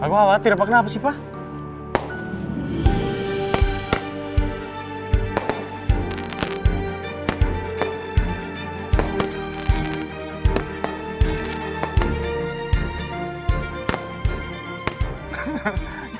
pak aku khawatir apa kenapa si pak